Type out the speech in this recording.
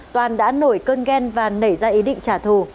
toàn đã nổi cơn ghen và nảy ra ý định trả thù